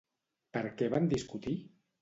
Per què van discutir?